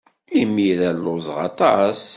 Imir-a lluẓeɣ aṭas.